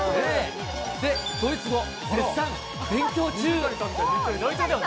ドイツ語、絶賛勉強中。